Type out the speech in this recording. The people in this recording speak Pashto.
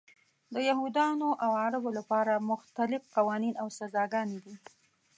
د یهودانو او عربو لپاره مختلف قوانین او سزاګانې دي.